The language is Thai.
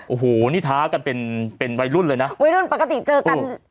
โอ้โหนี่ท้ากันเป็นเป็นวัยรุ่นเลยน่ะวัยรุ่นปกติเจอกันหลังรอบเรียน